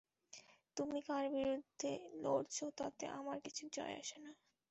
তুমি কার বিরুদ্ধে লড়ছো তাতে আমার কিছু যায়আসে না।